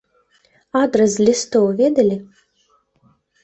Адрас з лістоў ведалі?